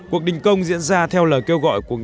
cuộc đình công diễn ra theo lời kêu gọi của người